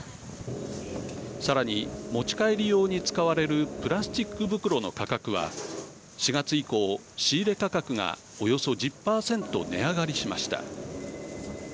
さらに、持ち帰り用に使われるプラスチック袋の価格は４月以降、仕入れ価格がおよそ１０％値上がりしました。